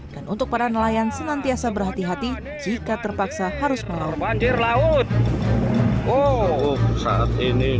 dan untuk para nelayan senantiasa berhati hati jika terpaksa harus melarut